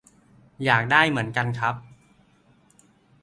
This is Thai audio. อยากได้เหมือนกันครับ